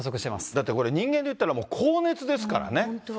だってこれ、人間でいったら、もう高熱ですからね。